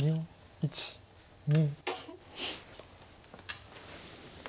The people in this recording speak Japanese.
１２。